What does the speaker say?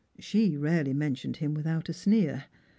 She rarely mentioned him without a sneer.